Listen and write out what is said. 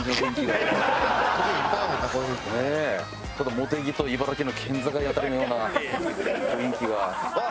茂木と茨城の県境辺りのような雰囲気が。